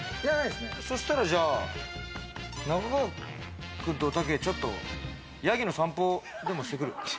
そしたらじゃあ、中川君とおたけ、ちょっとヤギの散歩でもしてくる？